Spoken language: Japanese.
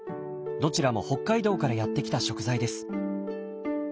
どちらも北海道からやって来た食材です。